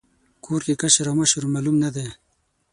کور کې کشر او مشر معلوم نه دی.